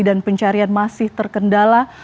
dan pencarian masih terkendala